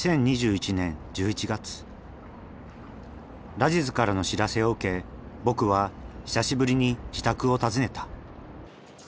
ラジズからの知らせを受け僕は久しぶりに自宅を訪ねた。